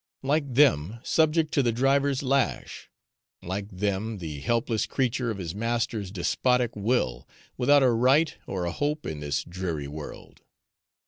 Like them, subject to the driver's lash; like them, the helpless creature of his master's despotic will, without a right or a hope in this dreary world.